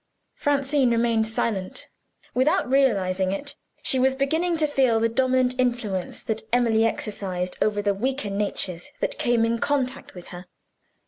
Francine remained silent. Without realizing it, she was beginning to feel the dominant influence that Emily exercised over the weaker natures that came in contact with her.